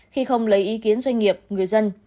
khi không lấy ý kiến doanh nghiệp người dân